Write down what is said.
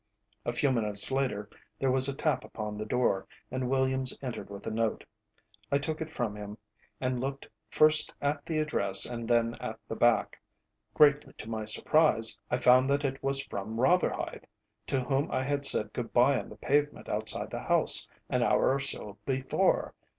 A few minutes later there was a tap upon the door, and Williams entered with a note. I took it from him, and looked first at the address and then at the back. Greatly to my surprise I found that it was from Rotherhithe, to whom I had said good bye on the pavement outside the house an hour or so before.